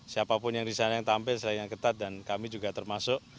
siapapun yang di sana yang tampil selain yang ketat dan kami juga termasuk